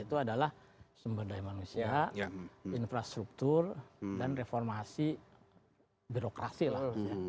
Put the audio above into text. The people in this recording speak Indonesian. itu adalah sumber daya manusia infrastruktur dan reformasi birokrasi lah